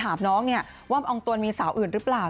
ถามน้องเนี่ยว่าบางตัวมีสาวอื่นหรือเปล่า